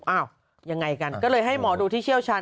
อ้าวยังไงกันก็เลยให้หมอดูที่เชี่ยวชาญ